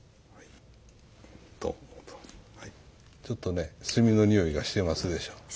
ちょっとね炭の匂いがしてますでしょ。